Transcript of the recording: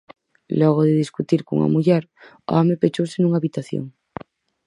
Logo de discutir cunha muller, o home pechouse nunha habitación.